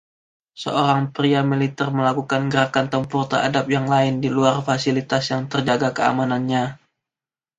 Seorang pria militer melakukan gerakan tempur terhadap yang lain di luar fasilitas yang terjaga keamanannya.